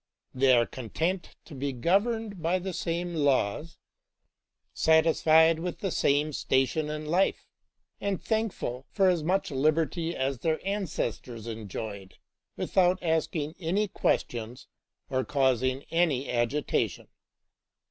They are con tent to be governed by the same laws, satisfied with the same station in life, and thankful for as much liberty as their ancestors enjoyed, without asking any questions or causing any agitation.